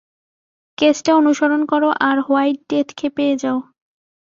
কেসটা অনুসরণ করো আর হোয়াইট ডেথকে পেয়ে যাও।